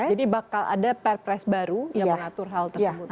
jadi bakal ada perpres baru yang mengatur hal tersebut